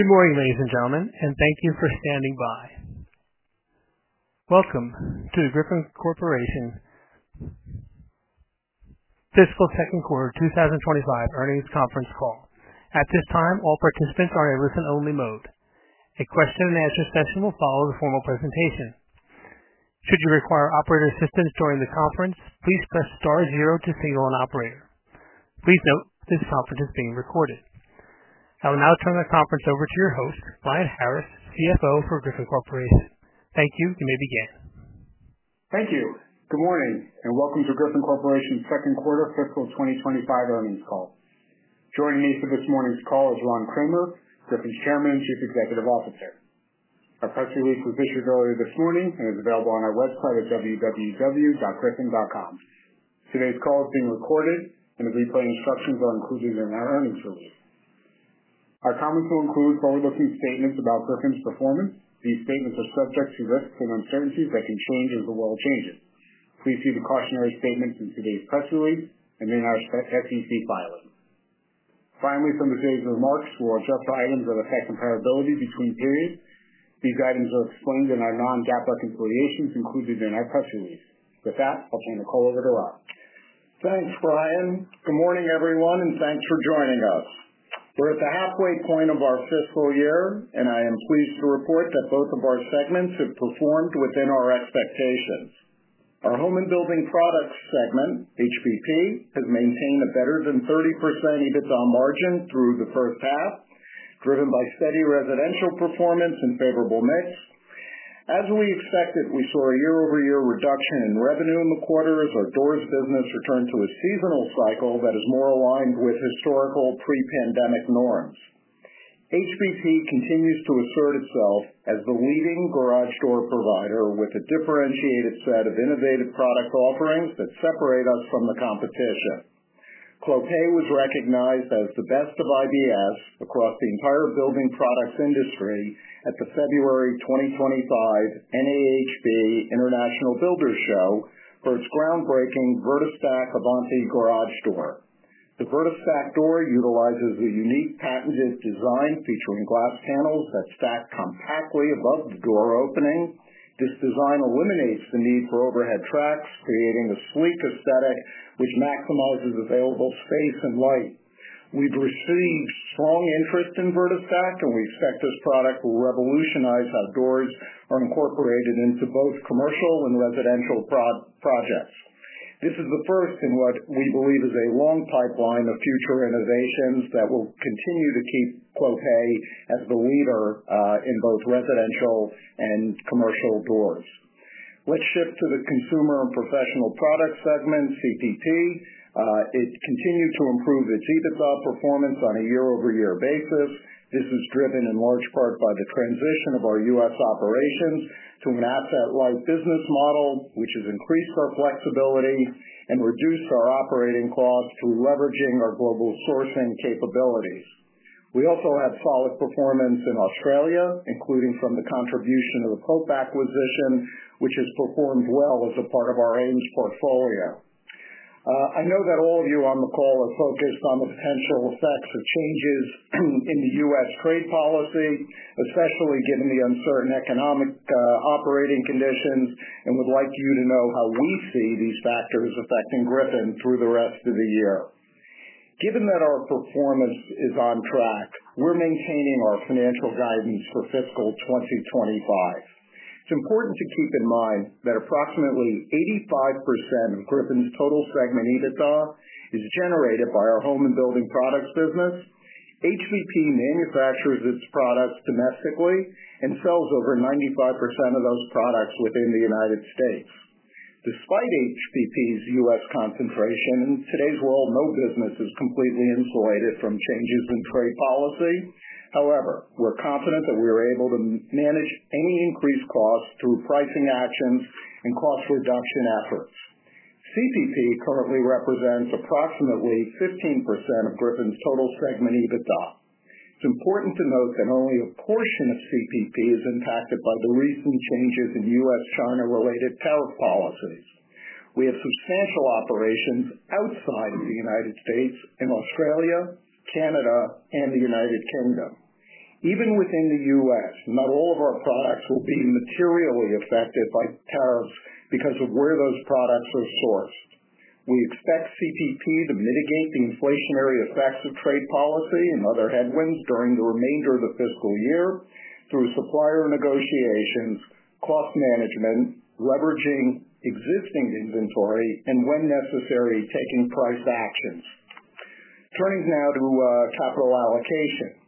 Good morning, ladies and gentlemen, and thank you for standing by. Welcome to the Griffon Corporation fiscal second quarter 2025 earnings conference call. At this time, all participants are in a listen-only mode. A question-and-answer session will follow the formal presentation. Should you require operator assistance during the conference, please press star zero to signal an operator. Please note this conference is being recorded. I will now turn the conference over to your host, Brian Harris, CFO for Griffon Corporation. Thank you. You may begin. Thank you. Good morning and welcome to Griffon Corporation's second quarter fiscal 2025 earnings call. Joining me for this morning's call is Ron Kramer, Griffon's Chairman and Chief Executive Officer. Our press release was issued earlier this morning and is available on our website at www.griffon.com. Today's call is being recorded, and the replay instructions are included in our earnings release. Our comments will include forward-looking statements about Griffon's performance. These statements are subject to risks and uncertainties that can change as the world changes. Please see the cautionary statements in today's press release and in our SEC filing. Finally, from the series of remarks, we'll address our items that affect comparability between periods. These items are explained in our non-GAAP reconciliations included in our press release. With that, I'll turn the call over to Ron. Thanks, Brian. Good morning, everyone, and thanks for joining us. We're at the halfway point of our fiscal year, and I am pleased to report that both of our segments have performed within our expectations. Our home and building products segment, HBP, has maintained a better than 30% EBITDA margin through the first half, driven by steady residential performance and favorable mix. As we expected, we saw a year-over-year reduction in revenue in the quarter as our doors business returned to a seasonal cycle that is more aligned with historical pre-pandemic norms. HBP continues to assert itself as the leading garage door provider with a differentiated set of innovative product offerings that separate us from the competition. Clopay was recognized as the best of IBS across the entire building products industry at the February 2025 NAHB International Builders' Show for its groundbreaking VertiStack Avante Garage Door. The VertiStack Door utilizes a unique patented design featuring glass panels that stack compactly above the door opening. This design eliminates the need for overhead tracks, creating a sleek aesthetic which maximizes available space and light. We've received strong interest in VertiStack, and we expect this product will revolutionize how doors are incorporated into both commercial and residential projects. This is the first in what we believe is a long pipeline of future innovations that will continue to keep Clopay as the leader in both residential and commercial doors. Let's shift to the consumer and professional product segment, CPP. It continued to improve its EBITDA performance on a year-over-year basis. This is driven in large part by the transition of our U.S. operations to an asset-light business model, which has increased our flexibility and reduced our operating costs through leveraging our global sourcing capabilities. We also have solid performance in Australia, including from the contribution of the Pope acquisition, which has performed well as a part of our AIMS portfolio. I know that all of you on the call are focused on the potential effects of changes in the U.S. trade policy, especially given the uncertain economic operating conditions, and would like you to know how we see these factors affecting Griffon through the rest of the year. Given that our performance is on track, we're maintaining our financial guidance for fiscal 2025. It's important to keep in mind that approximately 85% of Griffon's total segment EBITDA is generated by our home and building products business. HBP manufactures its products domestically and sells over 95% of those products within the United States. Despite HBP's U.S. concentration, in today's world, no business is completely insulated from changes in trade policy. However, we're confident that we are able to manage any increased costs through pricing actions and cost reduction efforts. CPP currently represents approximately 15% of Griffon's total segment EBITDA. It's important to note that only a portion of CPP is impacted by the recent changes in U.S.-China-related tariff policies. We have substantial operations outside of the U.S. in Australia, Canada, and the United Kingdom. Even within the U.S., not all of our products will be materially affected by tariffs because of where those products are sourced. We expect CPP to mitigate the inflationary effects of trade policy and other headwinds during the remainder of the fiscal year through supplier negotiations, cost management, leveraging existing inventory, and when necessary, taking price actions. Turning now to capital allocation.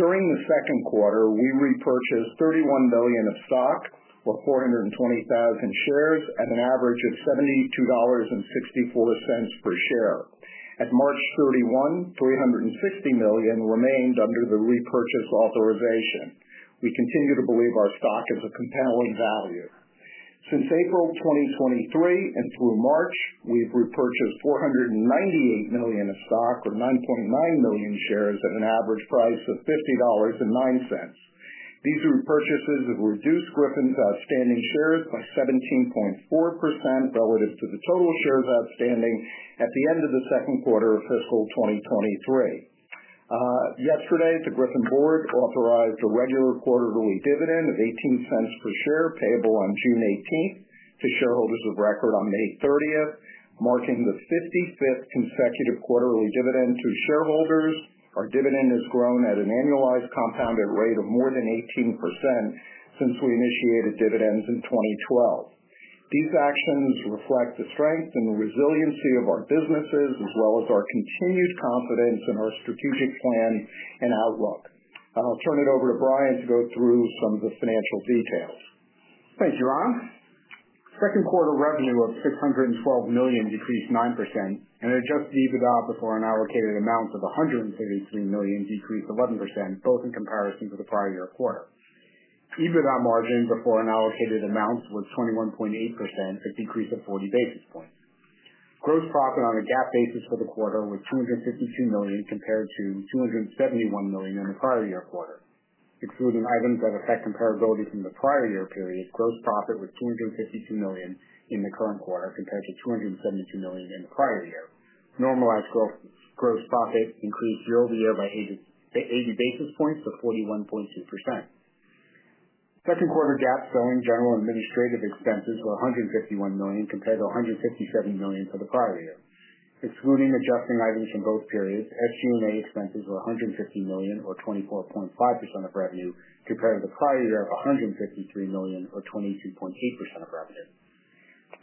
During the second quarter, we repurchased $31 million of stock, or 420,000 shares, at an average of $72.64 per share. At March 31, $360 million remained under the repurchase authorization. We continue to believe our stock is a compelling value. Since April 2023 and through March, we've repurchased $498 million of stock, or 9.9 million shares, at an average price of $50.09. These repurchases have reduced Griffon's outstanding shares by 17.4% relative to the total shares outstanding at the end of the second quarter of fiscal 2023. Yesterday, the Griffon Board authorized a regular quarterly dividend of $0.18 per share payable on June 18th to shareholders of record on May 30th, marking the 55th consecutive quarterly dividend to shareholders. Our dividend has grown at an annualized compounded rate of more than 18% since we initiated dividends in 2012. These actions reflect the strength and resiliency of our businesses, as well as our continued confidence in our strategic plan and outlook. I'll turn it over to Brian to go through some of the financial details. Thank you, Ron. Second quarter revenue of $612 million decreased 9%, and Adjusted EBITDA before an allocated amount of $133 million decreased 11%, both in comparison to the prior year quarter. EBITDA margin before an allocated amount was 21.8%, a decrease of 40 basis points. Gross profit on a GAAP basis for the quarter was $252 million compared to $271 million in the prior year quarter. Excluding items that affect comparability from the prior year period, gross profit was $252 million in the current quarter compared to $272 million in the prior year. Normalized gross profit increased year-over-year by 80 basis points to 41.2%. Second quarter GAAP selling general administrative expenses were $151 million compared to $157 million for the prior year. Excluding adjusting items from both periods, SG&A expenses were $150 million, or 24.5% of revenue, compared to the prior year of $153 million, or 22.8% of revenue.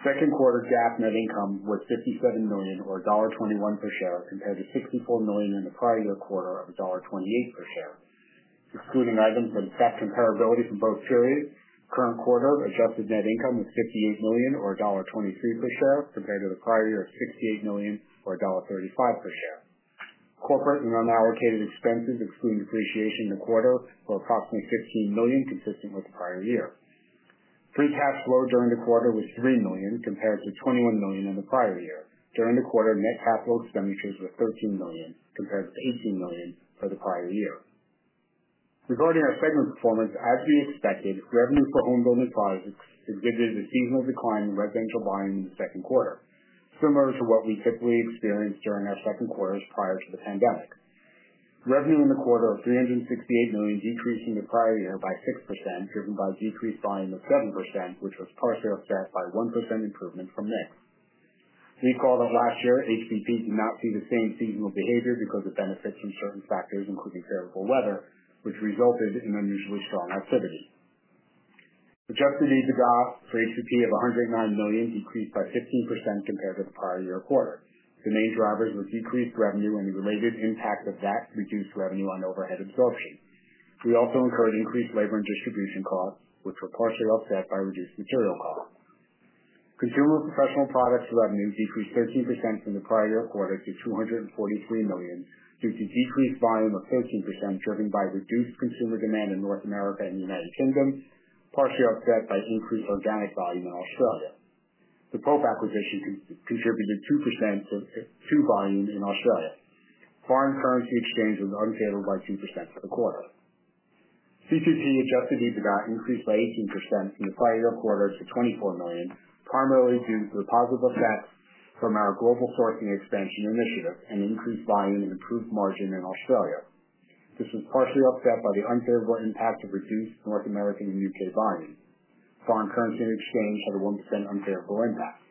Second quarter GAAP net income was $57 million, or $1.21 per share, compared to $64 million in the prior year quarter of $1.28 per share. Excluding items that affect comparability from both periods, current quarter adjusted net income was $58 million, or $1.23 per share, compared to the prior year of $68 million, or $1.35 per share. Corporate and unallocated expenses excluding depreciation in the quarter were approximately $15 million, consistent with the prior year. Free cash flow during the quarter was $3 million, compared to $21 million in the prior year. During the quarter, net capital expenditures were $13 million, compared to $18 million for the prior year. Regarding our segment performance, as we expected, revenue for home building products exhibited a seasonal decline in residential buying in the second quarter, similar to what we typically experienced during our second quarters prior to the pandemic. Revenue in the quarter of $368 million decreased from the prior year by 6%, driven by decreased buying of 7%, which was partially offset by a 1% improvement from mix. Recall that last year, HBP did not see the same seasonal behavior because of benefits from certain factors, including favorable weather, which resulted in unusually strong activity. Adjusted EBITDA for HBP of $109 million decreased by 15% compared to the prior year quarter. The main drivers were decreased revenue and the related impact of that reduced revenue on overhead absorption. We also incurred increased labor and distribution costs, which were partially offset by reduced material costs. Consumer and professional products revenue decreased 13% from the prior year quarter to $243 million due to decreased volume of 13%, driven by reduced consumer demand in North America and the U.K., partially offset by increased organic volume in Australia. The Pope acquisition contributed 2% to volume in Australia. Foreign currency exchange was unfavorable by 2% for the quarter. CPP Adjusted EBITDA increased by 18% from the prior year quarter to $24 million, primarily due to the positive effects from our global sourcing expansion initiative and increased volume and improved margin in Australia. This was partially offset by the unfavorable impact of reduced North American and U.K. volume. Foreign currency exchange had a 1% unfavorable impact.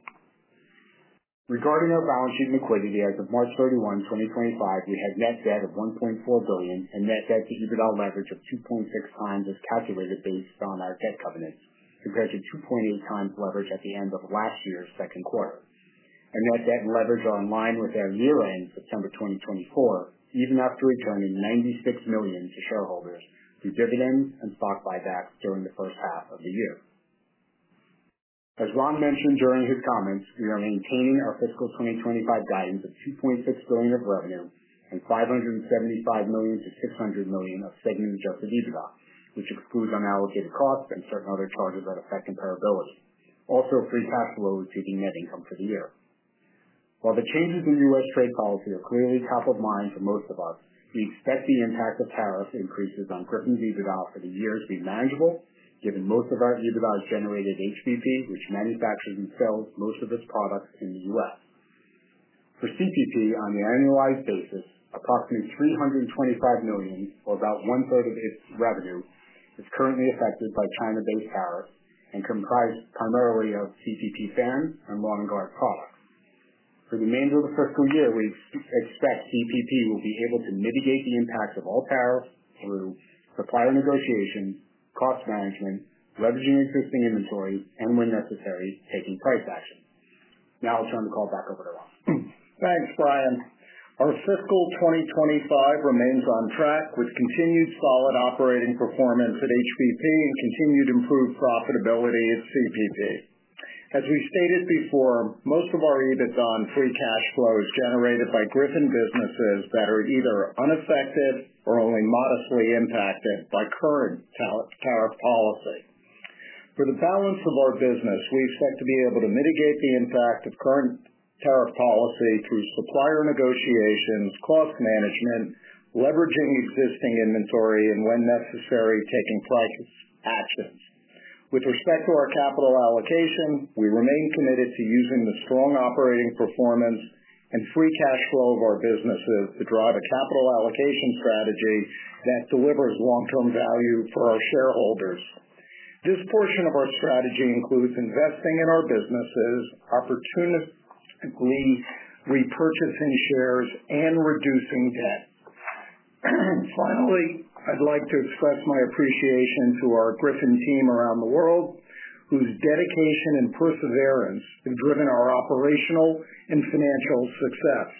Regarding our balance sheet and liquidity, as of March 31, 2025, we had net debt of $1.4 billion and net debt to EBITDA leverage of 2.6 times as calculated based on our debt covenants, compared to 2.8 times leverage at the end of last year's second quarter. Our net debt and leverage are in line with our year-end September 2024, even after returning $96 million to shareholders through dividends and stock buybacks during the first half of the year. As Ron mentioned during his comments, we are maintaining our fiscal 2025 guidance of $2.6 billion of revenue and $575 million-$600 million of segment-Adjusted EBITDA, which excludes unallocated costs and certain other charges that affect comparability. Also, free cash flow is taking net income for the year. While the changes in U.S. trade policy are clearly top of mind for most of us, we expect the impact of tariff increases on Griffon's EBITDA for the year to be manageable, given most of our EBITDA is generated at HBP, which manufactures and sells most of its products in the U.S. For CPP, on the annualized basis, approximately $325 million, or about one-third of its revenue, is currently affected by China-based tariffs and comprised primarily of CPP fans and long-guard products. For the remainder of the fiscal year, we expect CPP will be able to mitigate the impacts of all tariffs through supplier negotiation, cost management, leveraging existing inventory, and when necessary, taking price action. Now I'll turn the call back over to Ron. Thanks, Brian. Our fiscal 2025 remains on track with continued solid operating performance at HBP and continued improved profitability at CPP. As we stated before, most of our EBITDA and free cash flow is generated by Griffon businesses that are either unaffected or only modestly impacted by current tariff policy. For the balance of our business, we expect to be able to mitigate the impact of current tariff policy through supplier negotiations, cost management, leveraging existing inventory, and when necessary, taking price actions. With respect to our capital allocation, we remain committed to using the strong operating performance and free cash flow of our businesses to drive a capital allocation strategy that delivers long-term value for our shareholders. This portion of our strategy includes investing in our businesses, opportunistically repurchasing shares, and reducing debt. Finally, I'd like to express my appreciation to our Griffon team around the world, whose dedication and perseverance have driven our operational and financial success.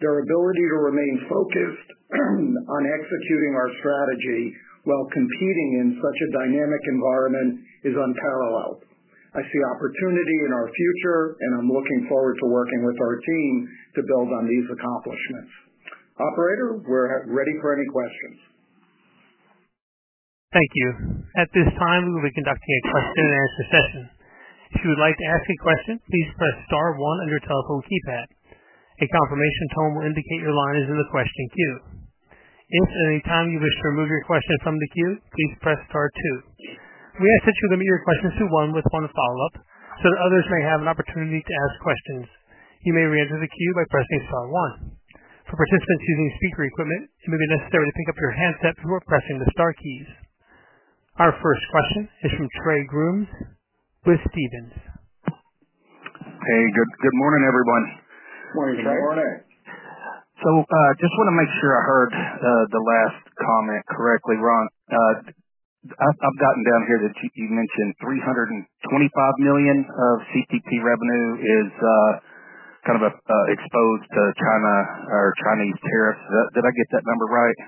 Their ability to remain focused on executing our strategy while competing in such a dynamic environment is unparalleled. I see opportunity in our future, and I'm looking forward to working with our team to build on these accomplishments. Operator, we're ready for any questions. Thank you. At this time, we will be conducting a question-and-answer session. If you would like to ask a question, please press star one on your telephone keypad. A confirmation tone will indicate your line is in the question queue. If at any time you wish to remove your question from the queue, please press star two. We ask that you limit your questions to one with one follow-up so that others may have an opportunity to ask questions. You may re-enter the queue by pressing star one. For participants using speaker equipment, it may be necessary to pick up your handset before pressing the star keys. Our first question is from Trey Grooms with Stephens. Hey, good morning, everyone. Morning, Trey. Good morning. I just want to make sure I heard the last comment correctly, Ron. I've gotten down here that you mentioned $325 million of CPP revenue is kind of exposed to China or Chinese tariffs. Did I get that number right?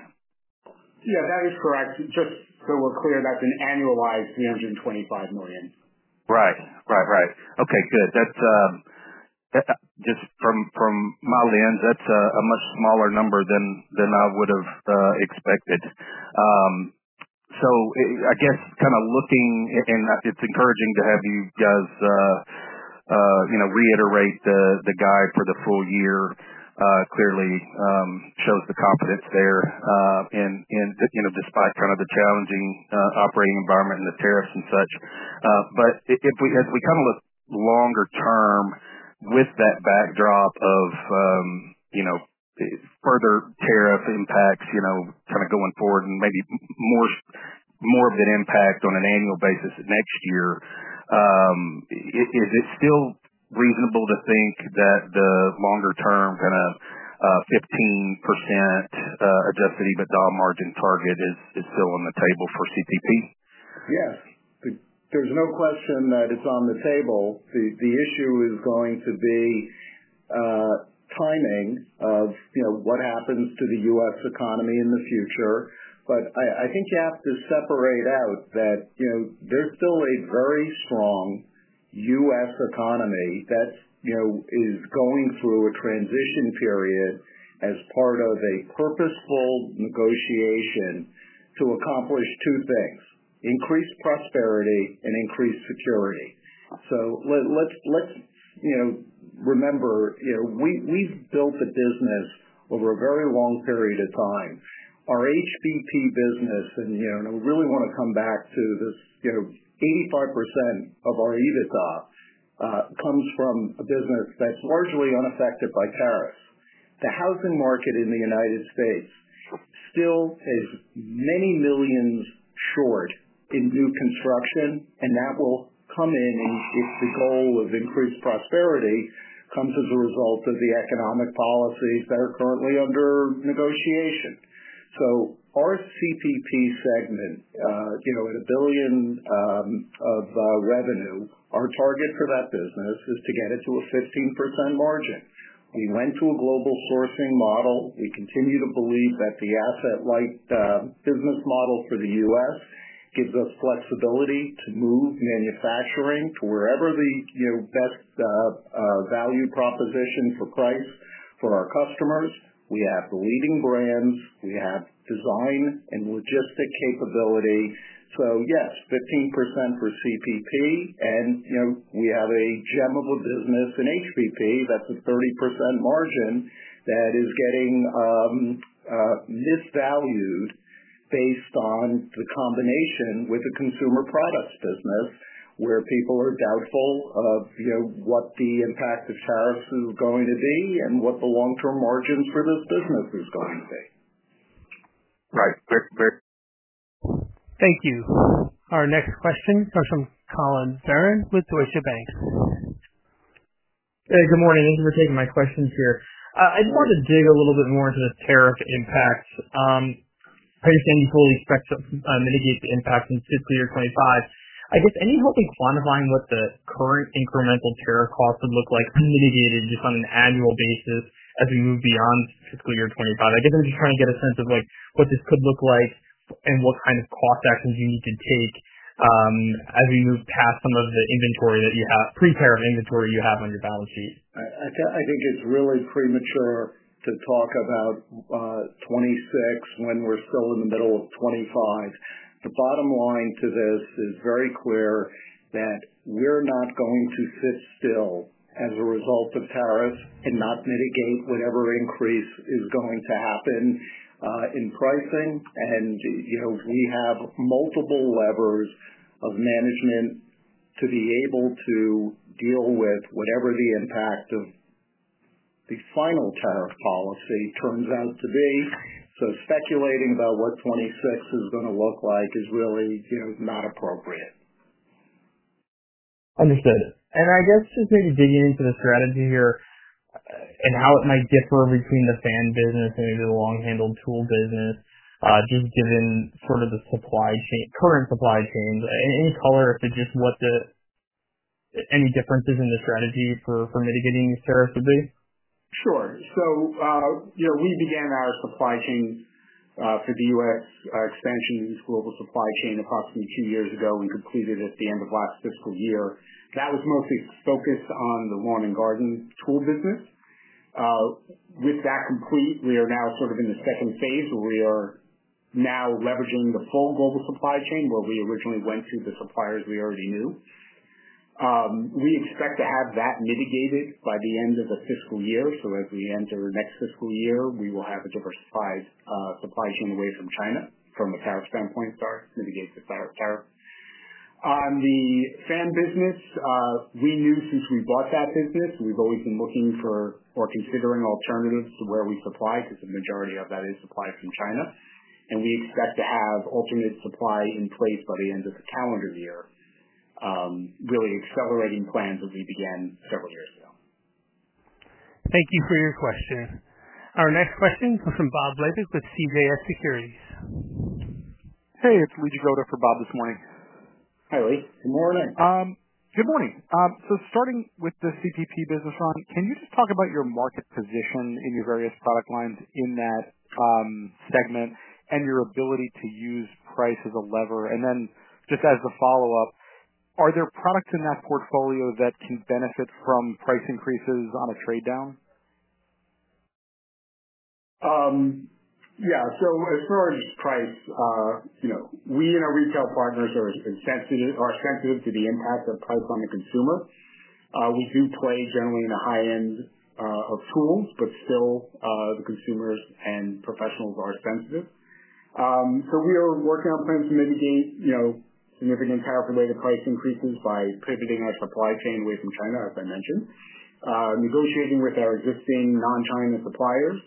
Yeah, that is correct. Just so we're clear, that's an annualized $325 million. Right. Okay, good. Just from my lens, that's a much smaller number than I would have expected. I guess kind of looking, and it's encouraging to have you guys reiterate the guide for the full year. Clearly shows the confidence there despite kind of the challenging operating environment and the tariffs and such. As we kind of look longer term with that backdrop of further tariff impacts kind of going forward and maybe more of an impact on an annual basis next year, is it still reasonable to think that the longer-term kind of 15% Adjusted EBITDA margin target is still on the table for CPP? Yes. There's no question that it's on the table. The issue is going to be timing of what happens to the U.S. economy in the future. I think you have to separate out that there's still a very strong U.S. economy that is going through a transition period as part of a purposeful negotiation to accomplish two things: increased prosperity and increased security. Let's remember, we've built the business over a very long period of time. Our HBP business, and I really want to come back to this, 85% of our EBITDA comes from a business that's largely unaffected by tariffs. The housing market in the United States still is many millions short in new construction, and that will come in if the goal of increased prosperity comes as a result of the economic policies that are currently under negotiation. Our CPP segment, at $1 billion of revenue, our target for that business is to get it to a 15% margin. We went to a global sourcing model. We continue to believe that the asset-light business model for the U.S. gives us flexibility to move manufacturing to wherever the best value proposition for price for our customers. We have the leading brands. We have design and logistic capability. Yes, 15% for CPP, and we have a gem of a business in HBP that is a 30% margin that is getting misvalued based on the combination with the consumer products business, where people are doubtful of what the impact of tariffs is going to be and what the long-term margins for this business is going to be. Right. Thank you. Our next question comes from Collin Verron with Deutsche Bank. Hey, good morning. Thank you for taking my questions here. I just wanted to dig a little bit more into the tariff impacts. I understand you fully expect to mitigate the impact in fiscal year 2025. I guess any help in quantifying what the current incremental tariff costs would look like mitigated just on an annual basis as we move beyond fiscal year 2025? I guess I'm just trying to get a sense of what this could look like and what kind of cost actions you need to take as we move past some of the inventory that you have, pre-tariff inventory you have on your balance sheet. I think it's really premature to talk about 2026 when we're still in the middle of 2025. The bottom line to this is very clear that we're not going to sit still as a result of tariffs and not mitigate whatever increase is going to happen in pricing. We have multiple levers of management to be able to deal with whatever the impact of the final tariff policy turns out to be. Speculating about what 2026 is going to look like is really not appropriate. Understood. I guess just maybe digging into the strategy here and how it might differ between the fan business and maybe the long-handled tool business, just given sort of the current supply chains. Any color as to just what the any differences in the strategy for mitigating these tariffs would be? Sure. We began our supply chain for the U.S. expansion into global supply chain approximately two years ago. We completed it at the end of last fiscal year. That was mostly focused on the lawn and garden tool business. With that complete, we are now sort of in the second phase where we are now leveraging the full global supply chain where we originally went to the suppliers we already knew. We expect to have that mitigated by the end of the fiscal year. As we enter next fiscal year, we will have a diversified supply chain away from China from a tariff standpoint. Start to mitigate the tariff. On the fan business, we knew since we bought that business, we've always been looking for or considering alternatives to where we supply because the majority of that is supplied from China. We expect to have alternate supply in place by the end of the calendar year, really accelerating plans that we began several years ago. Thank you for your question. Our next question comes from Bob Labick with CJS Securities. Hey, it's Lee Jagoda for Bob this morning. Hi, Lee. Good morning. Good morning. Starting with the CPP business, Ron, can you just talk about your market position in your various product lines in that segment and your ability to use price as a lever? Just as a follow-up, are there products in that portfolio that can benefit from price increases on a trade down? Yeah. As far as price, we and our retail partners are sensitive to the impact of price on the consumer. We do play generally in the high end of tools, but still the consumers and professionals are sensitive. We are working on plans to mitigate significant tariff-related price increases by pivoting our supply chain away from China, as I mentioned, negotiating with our existing non-China suppliers,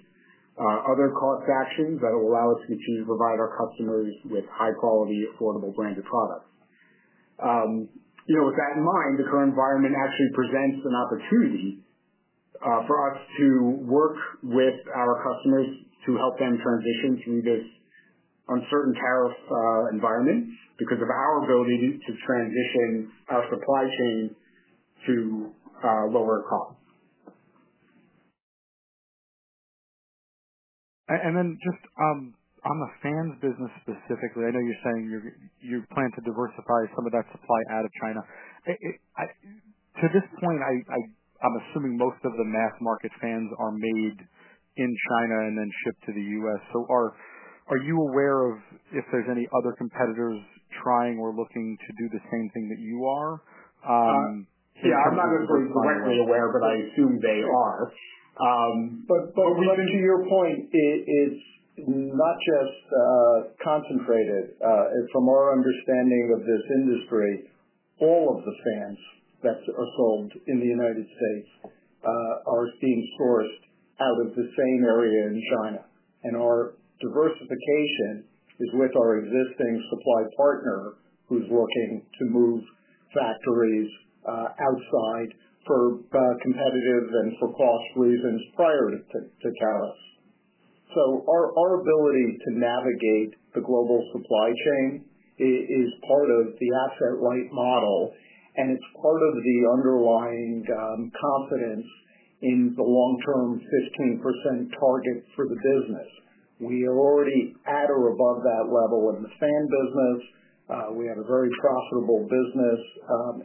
other cost actions that will allow us to continue to provide our customers with high-quality, affordable, branded products. With that in mind, the current environment actually presents an opportunity for us to work with our customers to help them transition through this uncertain tariff environment because of our ability to transition our supply chain to lower costs. Just on the fans business specifically, I know you're saying you plan to diversify some of that supply out of China. To this point, I'm assuming most of the mass market fans are made in China and then shipped to the U.S. Are you aware of if there's any other competitors trying or looking to do the same thing that you are? Yeah. I'm not going to say directly aware, but I assume they are. To your point, it's not just concentrated. From our understanding of this industry, all of the fans that are sold in the United States are being sourced out of the same area in China. Our diversification is with our existing supply partner who's looking to move factories outside for competitive and for cost reasons prior to tariffs. Our ability to navigate the global supply chain is part of the asset-light model, and it's part of the underlying confidence in the long-term 15% target for the business. We are already at or above that level in the fan business. We have a very profitable business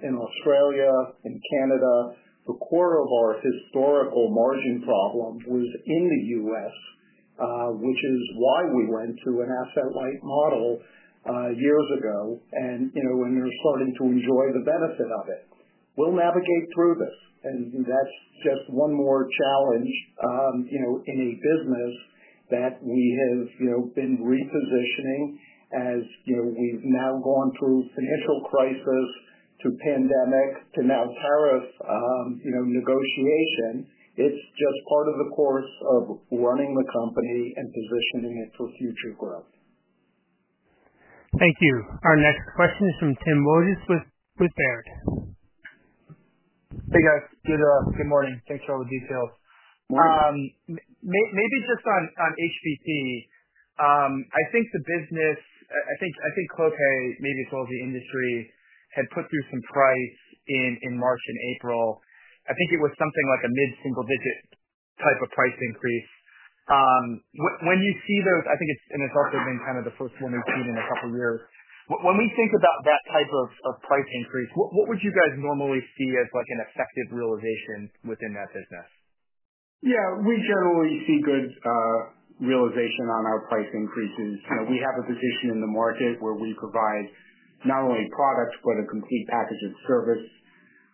in Australia and Canada. A quarter of our historical margin problem was in the U.S., which is why we went to an asset-light model years ago and are starting to enjoy the benefit of it. We will navigate through this. That is just one more challenge in a business that we have been repositioning as we have now gone through financial crisis to pandemic to now tariff negotiation. It is just part of the course of running the company and positioning it for future growth. Thank you. Our next question is from Tim Wojs with Baird. Hey, guys. Good morning. Thanks for all the details. Morning. Maybe just on HBP, I think the business, I think Clopay, maybe as well as the industry, had put through some price in March and April. I think it was something like a mid-single-digit type of price increase. When you see those, I think it's—and it's also been kind of the first one we've seen in a couple of years—when we think about that type of price increase, what would you guys normally see as an effective realization within that business? Yeah. We generally see good realization on our price increases. We have a position in the market where we provide not only products but a complete package of service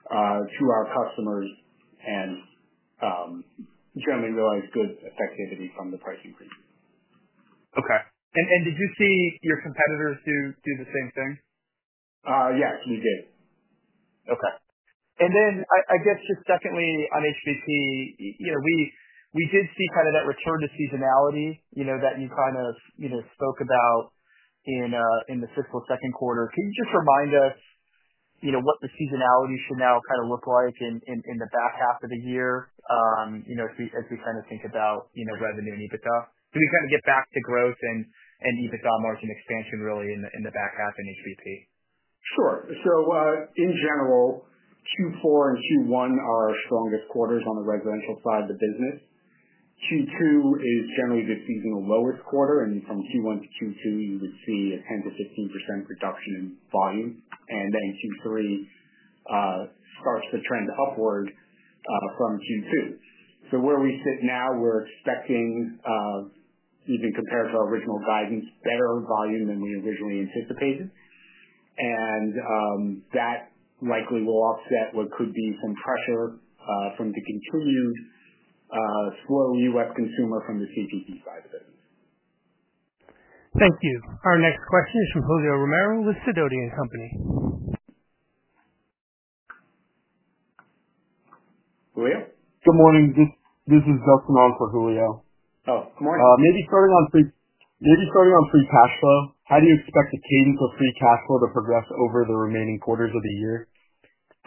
to our customers and generally realize good effectivity from the price increase. Okay. Did you see your competitors do the same thing? Yes, we did. Okay. I guess just secondly on HBP, we did see kind of that return to seasonality that you kind of spoke about in the fiscal second quarter. Can you just remind us what the seasonality should now kind of look like in the back half of the year as we kind of think about revenue and EBITDA? Can we kind of get back to growth and EBITDA margin expansion really in the back half in HBP? Sure. In general, Q4 and Q1 are our strongest quarters on the residential side of the business. Q2 is generally the seasonal lowest quarter. From Q1 to Q2, you would see a 10%-15% reduction in volume. Q3 starts to trend upward from Q2. Where we sit now, we're expecting, even compared to our original guidance, better volume than we originally anticipated. That likely will offset what could be some pressure from the continued slow U.S. consumer from the CPP side of the business. Thank you. Our next question is from Julio Romero with Sidoti & Company. Julio? Good morning. This is Alex Hantman for Julio. Oh, good morning. Maybe starting on free cash flow, how do you expect the cadence of free cash flow to progress over the remaining quarters of the year?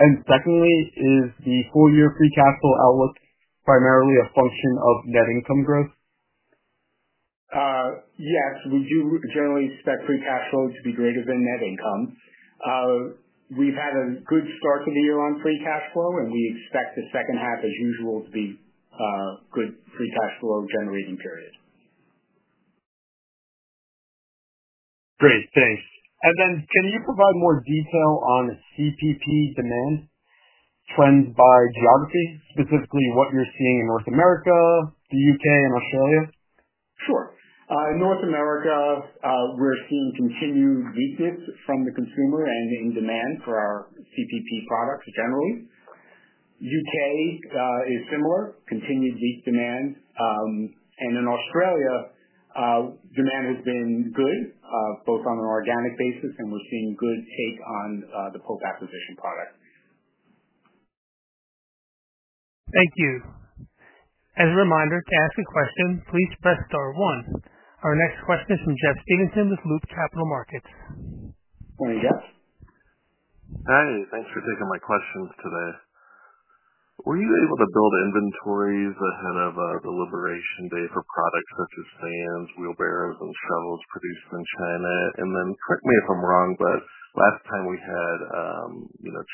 Is the full-year free cash flow outlook primarily a function of net income growth? Yes. We do generally expect free cash flow to be greater than net income. We've had a good start to the year on free cash flow, and we expect the second half, as usual, to be a good free cash flow generating period. Great. Thanks. Can you provide more detail on CPP demand trends by geography, specifically what you're seeing in North America, the U.K., and Australia? Sure. In North America, we're seeing continued weakness from the consumer and in demand for our CPP products generally. U.K. is similar, continued weak demand. In Australia, demand has been good both on an organic basis, and we're seeing good take on the Pope acquisition product. Thank you. As a reminder, to ask a question, please press star one. Our next question is from Jeff Stevenson with Loop Capital Markets. Morning, Jeff. Hi. Thanks for taking my questions today. Were you able to build inventories ahead of the liberation day for products such as fans, wheelbarrows, and shovels produced in China? Correct me if I'm wrong, but last time we had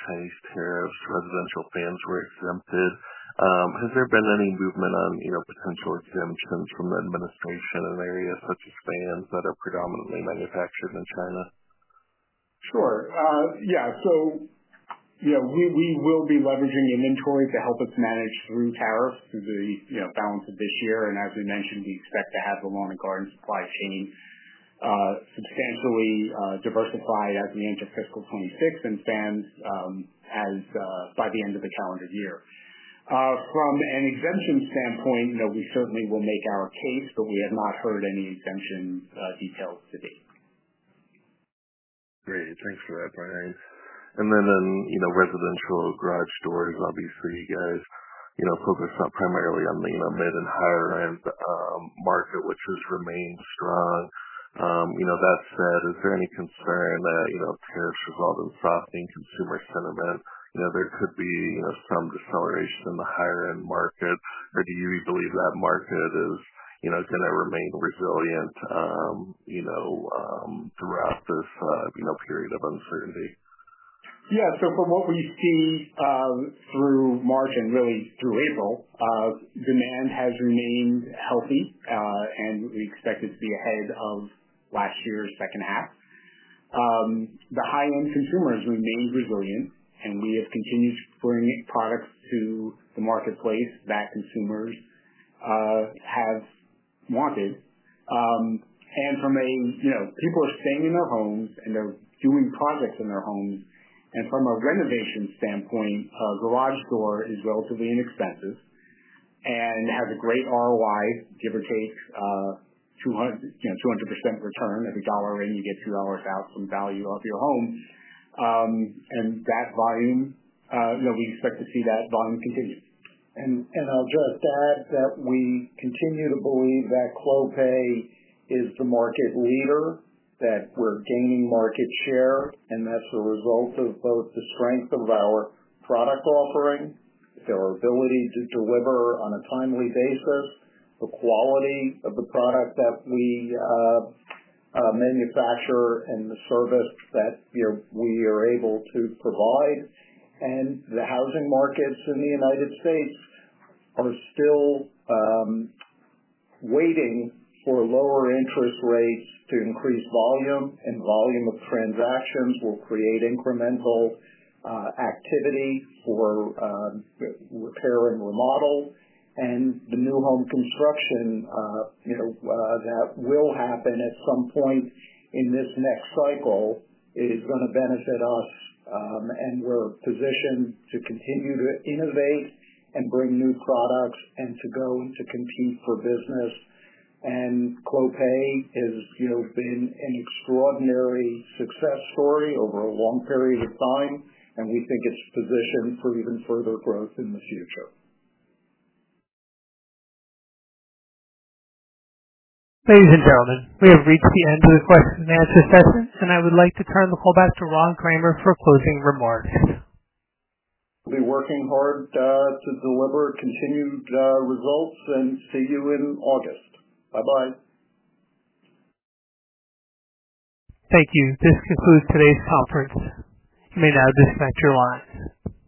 Chinese tariffs, residential fans were exempted. Has there been any movement on potential exemptions from the administration in areas such as fans that are predominantly manufactured in China? Sure. Yeah. We will be leveraging inventory to help us manage through tariffs through the balance of this year. As we mentioned, we expect to have the lawn and garden supply chain substantially diversified as we enter fiscal 2026 and fans by the end of the calendar year. From an exemption standpoint, we certainly will make our case, but we have not heard any exemption details to date. Great. Thanks for that, Brian. In residential garage doors, obviously, you guys focus primarily on the mid and higher-end market, which has remained strong. That said, is there any concern that tariffs result in softening consumer sentiment? There could be some deceleration in the higher-end market. Do you believe that market is going to remain resilient throughout this period of uncertainty? Yeah. From what we see through March and really through April, demand has remained healthy, and we expect it to be ahead of last year's second half. The high-end consumers remain resilient, and we have continued to bring products to the marketplace that consumers have wanted. People are staying in their homes, and they're doing projects in their homes. From a renovation standpoint, a garage door is relatively inexpensive and has a great ROI, give or take 200% return. Every dollar in, you get $2 out from value of your home. That volume, we expect to see that volume continue. I will just add that we continue to believe that Clopay is the market leader, that we are gaining market share, and that is a result of both the strength of our product offering, our ability to deliver on a timely basis, the quality of the product that we manufacture, and the service that we are able to provide. The housing markets in the United States are still waiting for lower interest rates to increase volume, and volume of transactions will create incremental activity for repair and remodel. The new home construction that will happen at some point in this next cycle is going to benefit us. We are positioned to continue to innovate and bring new products and to go and to compete for business. Clopay has been an extraordinary success story over a long period of time, and we think it's positioned for even further growth in the future. Ladies and gentlemen, we have reached the end of the question and answer session, and I would like to turn the call back to Ron Kramer for closing remarks. We'll be working hard to deliver continued results and see you in August. Bye-bye. Thank you. This concludes today's conference. You may now disconnect your lines.